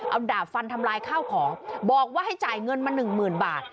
เอาดาบฟันทำลายข้าวของบอกว่าให้จ่ายเงินมาหนึ่งหมื่นบาท